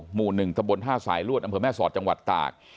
หมู่๑ตะบนท่าสายลวดอำเภอแม่สอดจังหวัดตาก